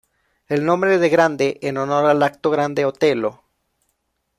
El nombre de Grande en honor al actor Grande Otelo.